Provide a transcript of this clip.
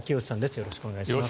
よろしくお願いします。